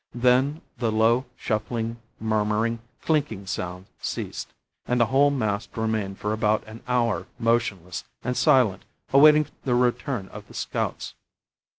Then the low, shuffling, murmuring, clinking sounds ceased, and the whole mass remained for about an hour motionless and silent, awaiting the return of the scouts.